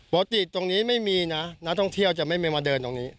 ปกติตรงนี้ไม่มีนะนักท่องเที่ยวจะไม่มาเดินตรงนี้